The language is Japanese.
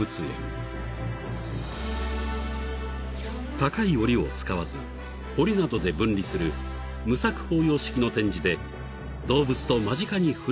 ［高いおりを使わず堀などで分離する無柵放養式の展示で動物と間近に触れ合えると評判］